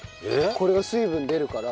これが水分出るから。